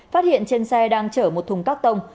phát hiện trên xe đang chở một thùng các tông